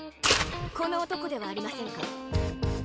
このおとこではありませんか？